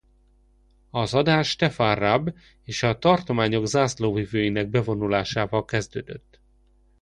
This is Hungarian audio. Az adás Stefan Raab és a tartományok zászlóvivőinek bevonulásával kezdődött.